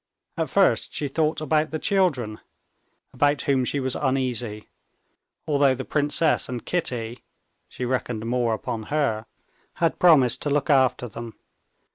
At first she thought about the children, about whom she was uneasy, although the princess and Kitty (she reckoned more upon her) had promised to look after them.